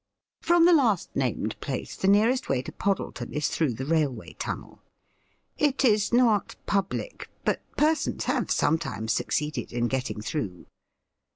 From the last named place the nearest way to Poddleton is through the railway tunnel. It is not public, but persons have sometimes succeeded in getting through.